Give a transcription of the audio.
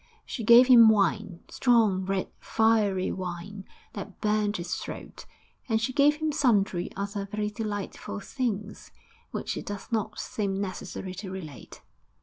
She gave him wine strong, red, fiery wine, that burned his throat and she gave him sundry other very delightful things, which it does not seem necessary to relate.